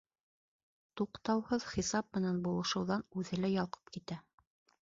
Туҡтауһыҙ хисап менән булышыуҙан үҙе лә ялҡып китә.